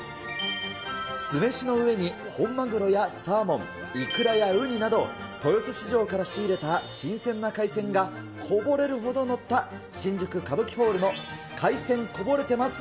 酢飯の上に本マグロやサーモン、イクラやウニなど、豊洲市場から仕入れた新鮮な海鮮がこぼれるほど載った、新宿カブキホールの海鮮こぼれてます！